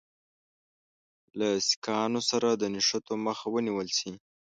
له سیکهانو سره د نښتو مخه ونیوله شي.